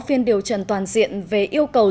phiên điều trần toàn diện về yêu cầu